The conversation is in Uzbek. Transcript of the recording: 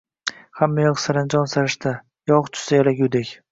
Hamma yoq saranjom-sarishta, yog` tushsa, yalagudek